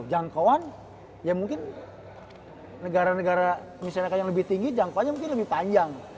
jangkauan ya mungkin negara negara masyarakat yang lebih tinggi jangkauannya mungkin lebih panjang